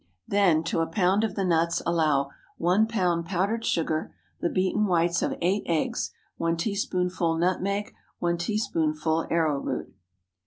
Then to a pound of the nuts allow:— 1 lb. powdered sugar. The beaten whites of eight eggs. 1 teaspoonful nutmeg. 1 teaspoonful arrowroot.